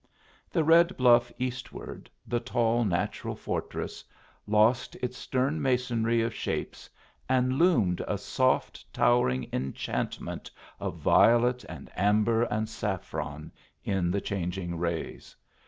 The red bluff eastward, the tall natural fortress, lost its stern masonry of shapes, and loomed a soft towering enchantment of violet and amber and saffron in the changing rays.